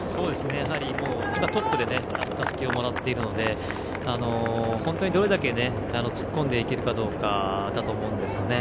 やはり、今トップでたすきをもらっているのでどれだけ突っ込んでいけるかどうかだと思うんですよね。